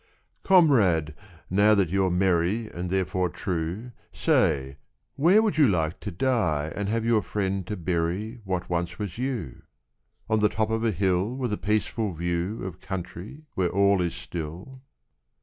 Comrade, now that you're merry And therefore true, Say where would you like to die And have your friend to bury What once was you? "On the top of a hill With a peaceful view Of country where all is still?"...